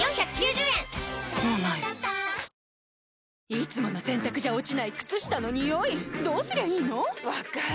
いつもの洗たくじゃ落ちない靴下のニオイどうすりゃいいの⁉分かる。